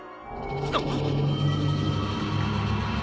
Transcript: ・あっ！？